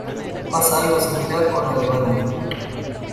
Pasa algo similar con la levadura.